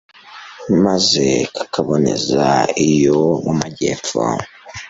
maze kakaboneza iyo mu majyepfo